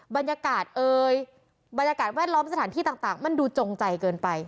บรรยากาศเอ่ยบรรยากาศแวดล้อมสถานที่ต่างมันดูจงใจเกินไป